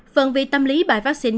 phần vì tâm lý bài vaccine